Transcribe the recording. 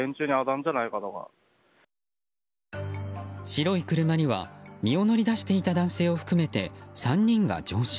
白い車には身を乗り出していた男性を含めて３人が乗車。